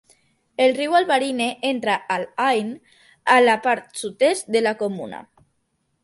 El riu Albarine entra al Ain a la part sud-est de la comuna.